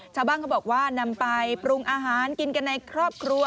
ชาวบ้านเขาบอกว่านำไปปรุงอาหารกินกันในครอบครัว